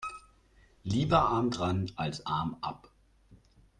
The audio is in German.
Lieber arm dran als Arm ab.